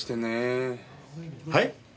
はい？